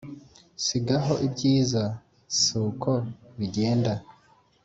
si gaho ibyiza siko bigenda